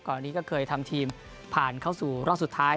นี้ก็เคยทำทีมผ่านเข้าสู่รอบสุดท้าย